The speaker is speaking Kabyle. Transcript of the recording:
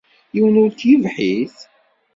Yiwen ur k-yebḥit?